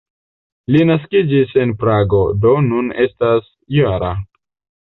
Li naskiĝis en Prago, do nun estas -jara.